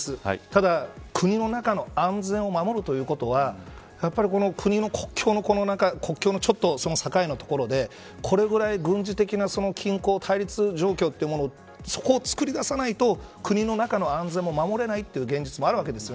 ただ、国の中の安全を守るということは国の国境のちょっと、境の所でこれぐらい軍事的な均衡対立状況というものをそこをつくり出さないと国の中の安全も守れない現実があります。